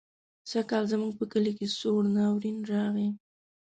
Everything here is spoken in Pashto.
سږکال زموږ په کلي کې سوړ ناورين راغی.